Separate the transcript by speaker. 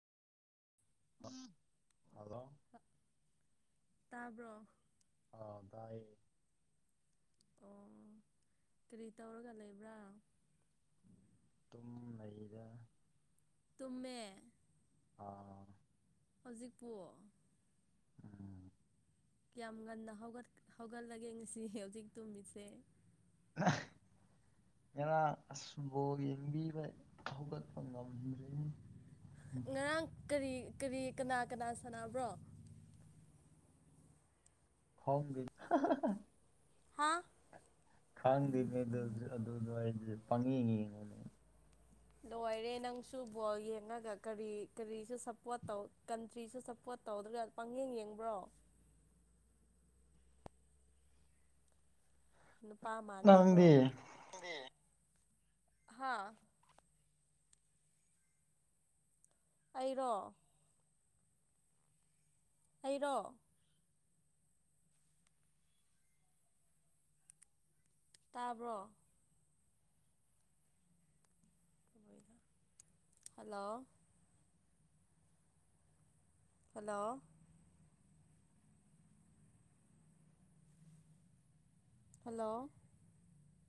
Speaker 1: ꯑꯣ
Speaker 2: ꯇꯥꯕ꯭ꯔꯣ
Speaker 1: ꯑ ꯑꯗꯑ
Speaker 2: ꯑꯣ ꯀꯔꯤ ꯇꯧꯔꯒ ꯂꯩꯕ꯭ꯔꯥ
Speaker 1: ꯇꯨꯝ ꯂꯩꯗ
Speaker 2: ꯃꯦ
Speaker 1: ꯑꯥ
Speaker 2: ꯍꯧꯖꯤꯛ ꯄꯨꯡꯣ
Speaker 1: ꯎꯝ
Speaker 2: ꯀꯌꯥꯝ ꯉꯟꯅ ꯍꯧꯒꯠꯂꯒꯦ ꯉꯁꯤ ꯍꯧꯖꯤꯛ ꯇꯨꯝꯃꯤꯁꯦ
Speaker 1: ꯑ ꯉꯔꯥꯡ ꯑꯁꯕꯣꯛ ꯌꯦꯡꯕꯤꯕ ꯍꯧꯒꯠꯄ ꯉꯝꯗ꯭ꯔꯤꯅꯤ
Speaker 2: ꯉꯔꯥꯡ ꯀꯔꯤ ꯀꯔꯤ ꯀꯅꯥ ꯀꯅꯥ ꯁꯥꯟꯅꯕ꯭ꯔꯣ
Speaker 1: ꯍꯣꯡꯒꯦ
Speaker 2: ꯍꯥꯥ
Speaker 1: ꯈꯥꯡꯗꯦꯅꯦ ꯑꯗꯨ ꯑꯗꯨꯗꯣ ꯑꯩ ꯄꯥꯡꯉ ꯌꯦꯡꯉꯅꯦ
Speaker 2: ꯂꯣꯏꯔꯦ ꯅꯪꯁꯨ ꯕꯣꯜ ꯌꯦꯡꯉꯒ ꯀꯔꯤ ꯀꯔꯤꯁꯨ ꯁꯞꯄꯣꯔꯠ ꯇꯧ ꯀꯟꯇ꯭ꯔꯤꯁꯨ ꯁꯞꯄꯣꯔꯠ ꯇꯧꯗ꯭ꯔꯒ ꯄꯪꯌꯦꯡ ꯌꯦꯡꯕ꯭ꯔꯣ ꯅꯨꯄꯥꯥ ꯃꯥꯥꯟꯗ ꯀꯣ
Speaker 1: ꯅꯪꯗꯤ
Speaker 2: ꯍꯥꯥ ꯑꯩꯔꯣ ꯑꯩꯔꯣ ꯇꯥꯕ꯭ꯔꯣ ꯍꯜꯂꯣ ꯍꯜꯂꯣ ꯍꯜꯂꯣ